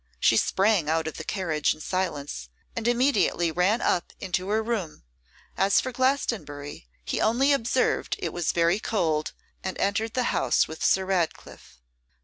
She sprang out of the carriage in silence, and immediately ran up into her room. As for Glastonbury, he only observed it was very cold, and entered the house with Sir Ratcliffe.